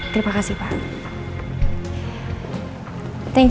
terima kasih pak